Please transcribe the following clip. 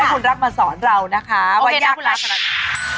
ให้คุณรักมาสอนเรานะคะวันยากน้ำขนาดนี้โอเคนะคุณรัก